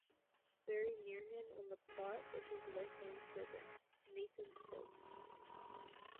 Buried near him on the plot is his lifelong servant, Nathan Stokes.